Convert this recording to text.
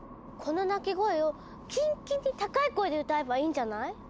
この鳴き声をキンキンに高い声で歌えばいいんじゃない？